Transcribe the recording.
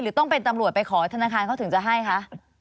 ต้องเป็นตำรวจไปขอธนาคารเขาถึงจะให้คะ